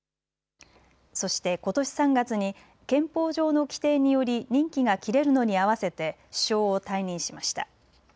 そして、ことし３月に憲法上の規定により任期が切れるのに合わせて首相を退任しました。